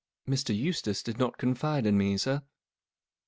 " Mr. Eustace did not confide in me, sir."